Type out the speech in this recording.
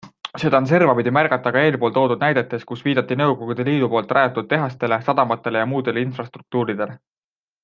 Seda on servapidi märgata ka eelpool toodud näidetes, kus viidati Nõukogude Liidu poolt rajatud tehastele, sadamatele ja muule infrastruktuurile.